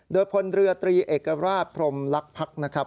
โดยผลเรือตรีเอกราปรมลักพรรคนะครับ